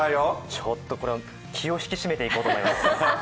ちょっとこれは気を引き締めていこうと思います。